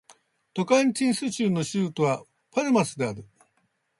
トカンティンス州の州都はパルマスである